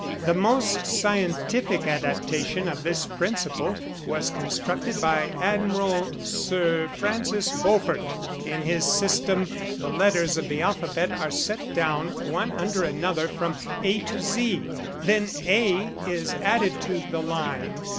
The most scientific adaptation of this principle was constructed by Admiral Sir Francis Beaufort. In his system the letters of the alphabet are set down one under another from A to Z, then A is added to the line.